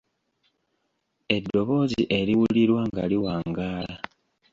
Eddoboozi eriwulirwa nga liwangaala.